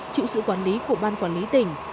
chịu sự quản lý của ban quản lý tỉnh